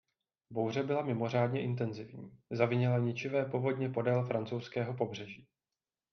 Bouře byla mimořádně intenzivní; zavinila ničivé povodně podél francouzského pobřeží.